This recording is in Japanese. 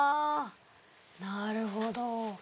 なるほど。